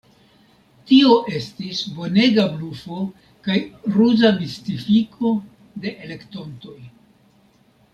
Tio estis bonega blufo kaj ruza mistifiko de elektontoj.